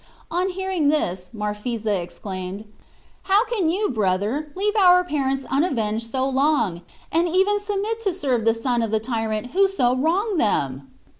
On hearing this, Marphisa exclaimed, "How can you, brother, leave our parents unavenged so long, and even submit to serve the son of the tyrant who so wronged them?"